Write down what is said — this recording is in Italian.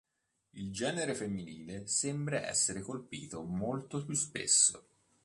Il genere femminile sembra essere colpito molto più spesso.